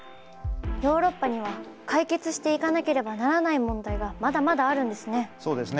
ヨーロッパには解決していかなければならない問題がまだまだあるんですね。